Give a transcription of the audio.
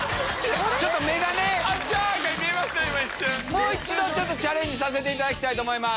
もう一度チャレンジさせていただきたいと思います。